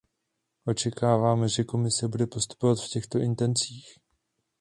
Očekáváme, že Komise bude postupovat v těchto intencích.